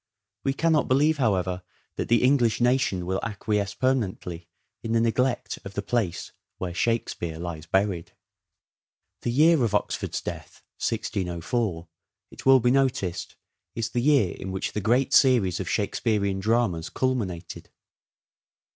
We cannot believe, however, that the English nation will acquiesce permanently in the neglect of the place where " Shakespeare " lies buried. The year of Oxford's death (1604), it will be noticed, is the year in which the great series of Shakespearean dramas culminated.